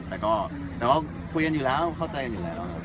แต่เขาก็ครับอย่างนั้นอยู่แล้วเข้าใจอยู่แล้ว